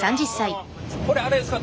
これあれですか